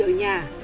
chị ở nhà